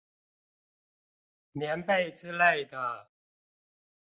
棉被之類的